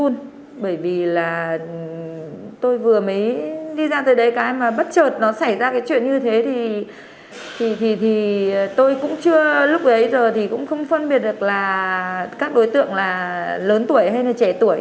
nó xảy ra cái chuyện như thế thì tôi cũng chưa lúc ấy rồi thì cũng không phân biệt được là các đối tượng là lớn tuổi hay là trẻ tuổi